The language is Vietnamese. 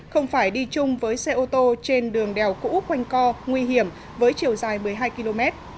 không phải đi chung với xe ô tô trên đường đèo cũ quanh co nguy hiểm với chiều dài một mươi hai km